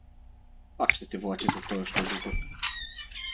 Пак ще те влачи за тоя, що духа.